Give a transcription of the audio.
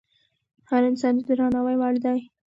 هر انسان د درناوي وړ دی.